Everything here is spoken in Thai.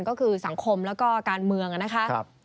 ก็คือสังคมแล้วก็การเมืองนะคะ